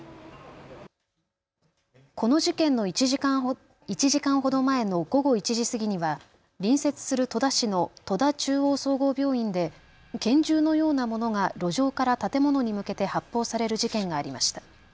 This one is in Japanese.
この事件の１時間ほど前の午後１時過ぎには隣接する戸田市の戸田中央総合病院で拳銃のようなものが路上から建物に向けて発砲される事件がありました。